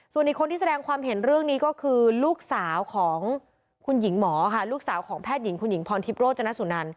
ส่วนอีกคนที่แสดงความเห็นเรื่องนี้ก็คือลูกสาวของคุณหญิงหมอค่ะ